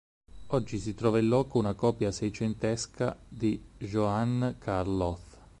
Oggi si trova in loco una copia seicentesca di Johann Carl Loth.